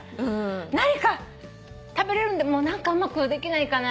何か食べれるんで何かうまくできないかな？